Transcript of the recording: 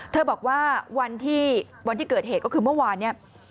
เธอบอกว่าวันที่เกิดเหตุก็คือเมื่อวาน